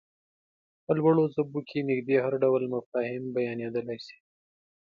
په لوړو ژبو کې نږدې هر ډول مفاهيم بيانېدلای شي.